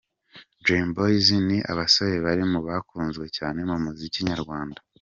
Dream Boys ni abasore bari mu bakunzwe cyane mu muziki nyarwanda.